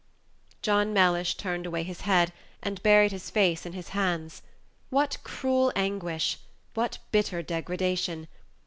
John Mellish turned away his head, and buried his face in his hands. What cruel anguish! what bitter degradation!